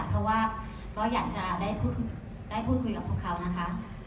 เพราะว่าก็อยากจะได้พูดคุยกับพวกเขานะคะ